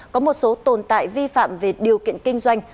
có một số tồn tại vi phạm về điều kiện kinh doanh